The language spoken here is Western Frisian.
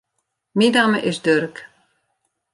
Myn namme is Durk.